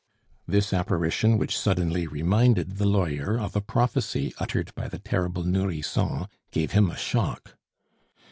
This apparition, which suddenly reminded the lawyer of a prophecy uttered by the terrible Nourrisson, gave him a shock.